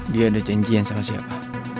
dia ada janjian sama siapa